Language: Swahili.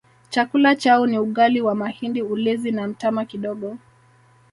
Chakula chao ni ugali wa mahindi ulezi na mtama kidogo